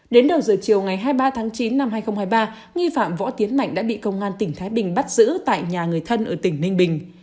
đến đầu giờ chiều ngày hai mươi ba tháng chín năm hai nghìn hai mươi ba nghi phạm võ tiến mạnh đã bị công an tỉnh thái bình bắt giữ tại nhà người thân ở tỉnh ninh bình